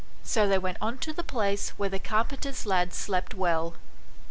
So they went on to the place where the carpenter's lad slept well.